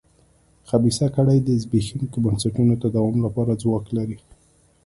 خبیثه کړۍ د زبېښونکو بنسټونو تداوم لپاره ځواک لري.